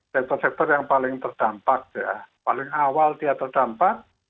sektor sektor yang paling terdampak ya paling awal dia terdampak